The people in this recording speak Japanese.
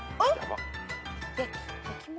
焼き物？